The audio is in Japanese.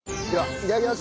いただきます。